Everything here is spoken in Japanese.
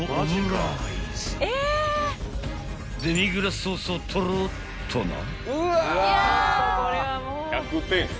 ［デミグラスソースをとろっとな］